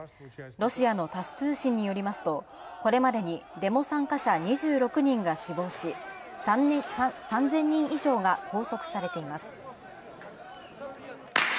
ロシアのタス通信によりますとこれまでにでも参加者２６人が死亡し、３０００人以上が拘束されています。